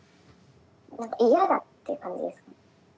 何か嫌だっていう感じですかね。